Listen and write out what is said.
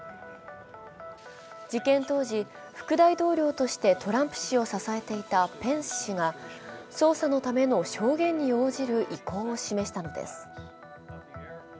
事件当時、副大統領としてトランプ氏を支えていたペンス氏が捜査のための証言に応じる意向を示したのです。